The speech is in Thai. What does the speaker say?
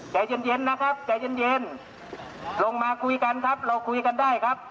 แก่เย็นเย็นนะครับแก่เย็นเย็นลงมาคุยกันครับ